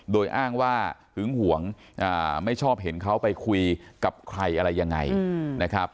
โดยอ้างว่าหึงห่วงไม่ชอบเห็นเขาไปคุยกับใครอะไรยังไงนะครับ